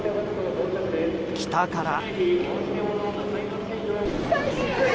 北から。